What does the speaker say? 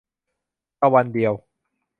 ตะวันเดียว